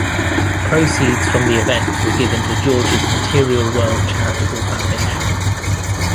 Proceeds from the event were given to George's Material World Charitable Foundation.